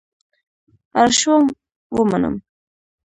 اړ شوم ومنم.